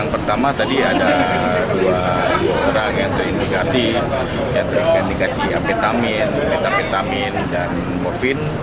pertama tadi ada dua orang yang terindikasi yang terindikasi amfetamin vitamintamin dan morfin